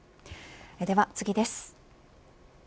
では次です。